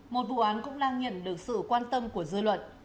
một vụ án cũng đang nhận được sự quan tâm của dư luận